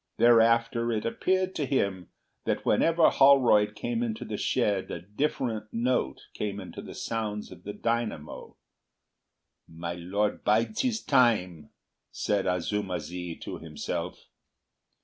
Thereafter it appeared to him that whenever Holroyd came into the shed a different note came into the sounds of the dynamo. "My Lord bides his time," said Azuma zi to himself.